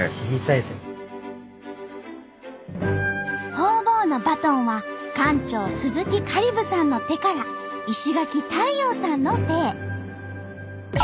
ホウボウのバトンは館長鈴木香里武さんの手から石垣太陽さんの手へ。